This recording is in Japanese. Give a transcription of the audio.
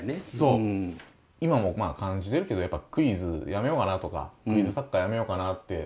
今もまあ感じてるけどやっぱクイズやめようかなとかクイズ作家やめようかなって。